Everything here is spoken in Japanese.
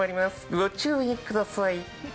御注意ください。